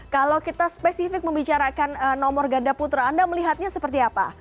kalau kita spesifik membicarakan nomor ganda putra anda melihatnya seperti apa